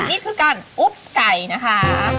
นี่คือการอุ๊บไก่นะคะ